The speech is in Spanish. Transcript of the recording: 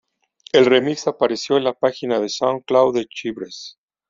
El remix apareció en la página de Soundcloud de Chvrches.